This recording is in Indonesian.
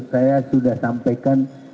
saya sudah sampaikan